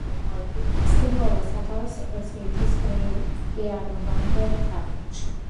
სიმბოლო სათავეს იღებს ლიტვის ქრისტიანობამდელ წარსულში.